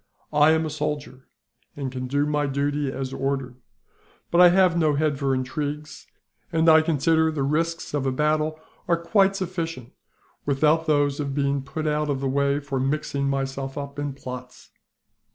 "I am a soldier, and can do my duty as ordered, but I have no head for intrigues; and I consider the risks of a battle are quite sufficient, without those of being put out of the way for mixing myself up in plots.